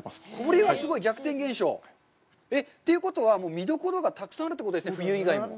これはすごい、逆転現象。ということは、見どころがたくさんあるってことですね、冬以外にも。